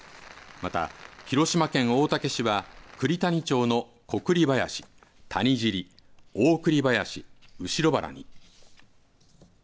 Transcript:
また広島県大竹市は栗谷町の小栗林、谷尻、大栗林、後原に。